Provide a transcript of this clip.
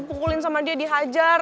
pukulin sama dia dihajar